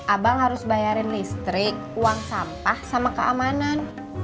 abang harus bayarin listrik uang sampah sama keamanan